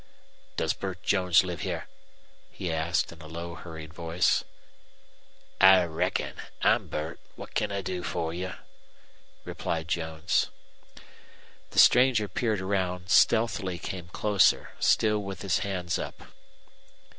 "Does Burt Jones live here?" he asked, in a low, hurried voice. "I reckon. I'm Burt. What can I do for you?" replied Jones. The stranger peered around, stealthily came closer, still with his hands up.